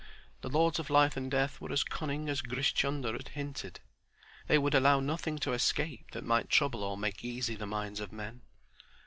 The Lords of Life and Death were as cunning as Grish Chunder had hinted. They would allow nothing to escape that might trouble or make easy the minds of men.